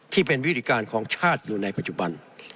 ที่เป็นวิธีการของชาติอยู่ในปัจจุบัน